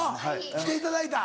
来ていただいた。